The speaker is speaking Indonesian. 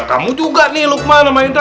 kamu juga nih lukman sama indra